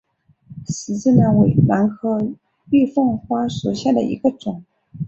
十字兰为兰科玉凤花属下的一个种。